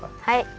はい。